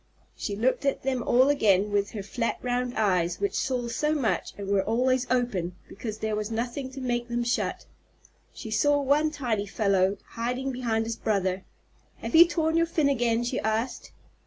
She looked at them all again with her flat, round eyes, which saw so much and were always open, because there was nothing to make them shut. She saw one tiny fellow hiding behind his brother. "Have you torn your fin again?" she asked.